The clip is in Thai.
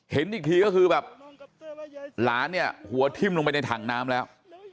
เห็นอีกทีก็คือแบบหลานเนี่ยหัวทิ้มลงไปในถังน้ำแล้ว